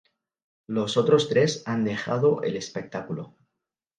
Los otros tres han dejado el espectáculo.